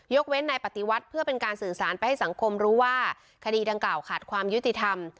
เว้นในปฏิวัติเพื่อเป็นการสื่อสารไปให้สังคมรู้ว่าคดีดังกล่าวขาดความยุติธรรม